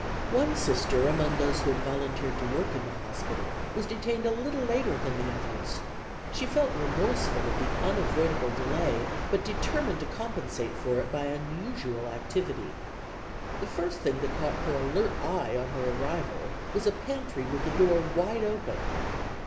One Sister among those who had volunteered to work in the hospital was detained a little later than the others. She felt remorseful at the unavoidable delay, but determined to compensate for it by unusual activity. The first thing that caught her alert eye on her arrival was a pantry with the door wide open.